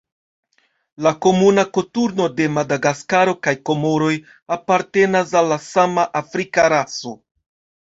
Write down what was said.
La Komuna koturno de Madagaskaro kaj Komoroj apartenas al la sama afrika raso.